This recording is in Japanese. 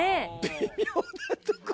微妙なとこ。